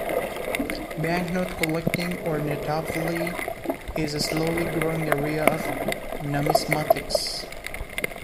Banknote collecting, or Notaphily, is a slowly growing area of numismatics.